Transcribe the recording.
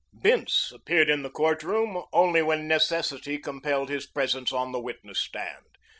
Bince appeared in the court room only when necessity compelled his presence on the witness stand.